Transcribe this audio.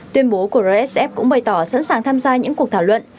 tuyên bố của rsf cũng bày tỏ sẵn sàng tham gia những cuộc thảo luận